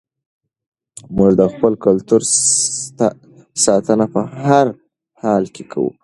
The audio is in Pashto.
موږ د خپل کلتور ساتنه په هر حال کې کوو.